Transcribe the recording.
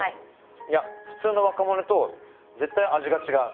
いや普通のワカモレと絶対味が違う。